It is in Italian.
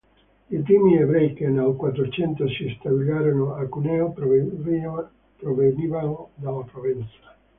I primi ebrei che nel Quattrocento si stabilirono a Cuneo provenivano dalla Provenza.